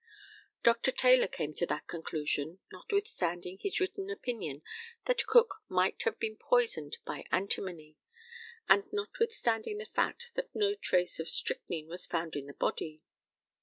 Dr. Taylor came to that conclusion, notwithstanding his written opinion that Cook might have been poisoned by antimony, and notwithstanding the fact that no trace of strychnine was found in the body.